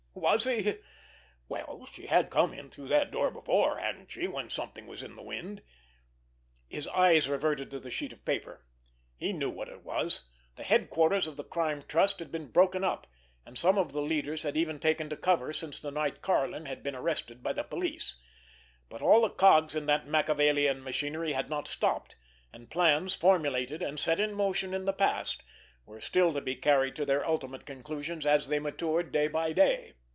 Was he? Well, she had come in through that door before, hadn't she, when something was in the wind? His eyes reverted to the sheet of paper. He knew what it was! The headquarters of the Crime Trust had been broken up, and some of the leaders had even taken to cover since the night Karlin had been arrested by the police; but all the cogs in that Machiavellian machinery had not stopped, and plans formulated and set in motion in the past were still to be carried to their ultimate conclusions as they matured day by day.